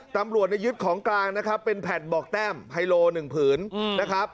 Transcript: ตำรวจในยึดของกลางนะครับเป็นแผ่นบอกแต้มไฮโลหนึ่งผืนนะครับ